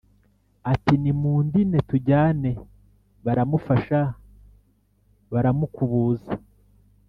ati ‘nimundine tujyane.’ baramufasha baramukubuza,